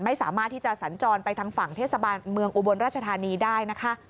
ไม่สามารถที่จะสัญจรไปทางฝั่งเทศบาลเมืองอุบลราชธานีได้นะคะ